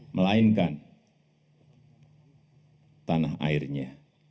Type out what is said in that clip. melainkan tanah airnya